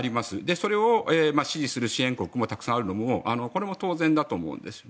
それを支持する支援国もたくさんあるのもこれも当然だと思うんですね。